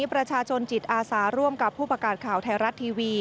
ประชาชนจิตอาสาร่วมกับผู้ประกาศข่าวไทยรัฐทีวี